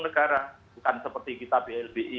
negara bukan seperti kita blbi